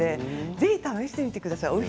ぜひ合わせてみてください。